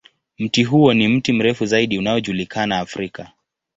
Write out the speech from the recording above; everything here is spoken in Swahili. Mti huo ni mti mrefu zaidi unaojulikana Afrika.